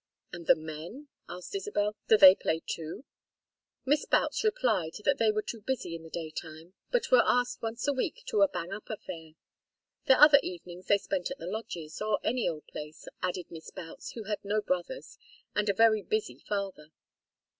"And the men?" asked Isabel. Did they play, too? Miss Boutts replied that they were too busy in the daytime, but were asked once a week to a "bang up" affair. Their other evenings they spent at the lodges "or any old place," added Miss Boutts, who had no brothers, and a very busy father.